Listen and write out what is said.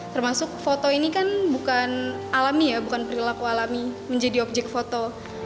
termasuk foto ini kan bukan alami ya bukan perilaku alami menjadi objek foto